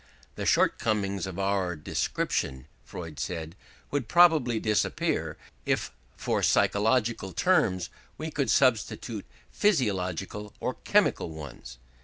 "The shortcomings of our description", Freud says, "would probably disappear if for psychological terms we could substitute physiological or chemical ones.